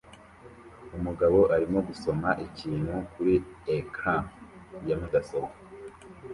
Umugabo arimo gusoma ikintu kuri ecran ya mudasobwa